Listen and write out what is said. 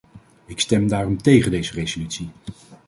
Ik stem daarom tegen deze resolutie.